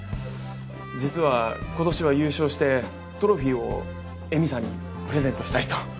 実はことしは優勝してトロフィーを恵美さんにプレゼントしたいと。